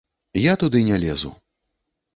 Я туды не лезу.